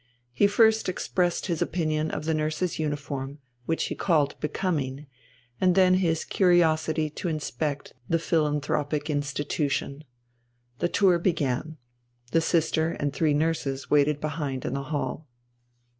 He first expressed his opinion of the nurses' uniform, which he called becoming, and then his curiosity to inspect the philanthropic institution. The tour began. The sister and three nurses waited behind in the hall.